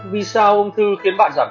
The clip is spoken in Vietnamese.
vì sao ung thư khiến bạn giảm cân